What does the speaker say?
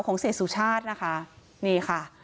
ของเศรษฐ์สุชาตินะคะ